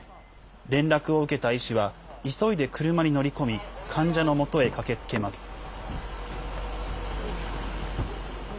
連絡を受けた医師は、急いで車に乗り込み、患者のもとへ駆けつけます。